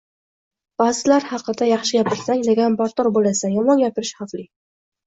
Ba’zilar haqida yaxshi gapirsang, laganbardor bo’lasan, yomon gapirish – xavfli.